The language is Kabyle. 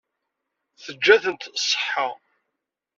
Teǧǧa-tent ṣṣeḥḥa.